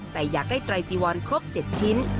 แต่อยากได้ไตรจีวอนครบ๗ชิ้น